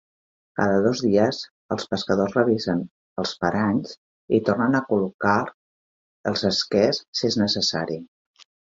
Cada dos dies els pescadors revisen els paranys i tornen a col·locar els esquers si és necessari.